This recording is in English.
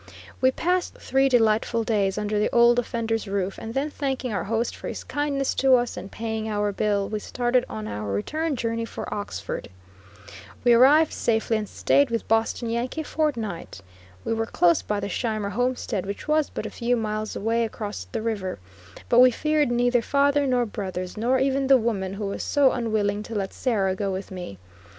We passed three delightful days under the Old Offender's roof, and then thanking our host for his kindness to us, and paying our bill, we started on our return journey for Oxford. We arrived safely, and staid with Boston Yankee a fortnight. We were close by the Scheimer homestead, which was but a few miles away across the river; but we feared neither father nor brothers, nor even the woman who was so unwilling to let Sarah go with me.